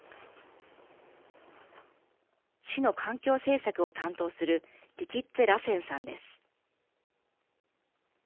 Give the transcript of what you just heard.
市の環境政策を担当するリキッツェ・ラセンさんです。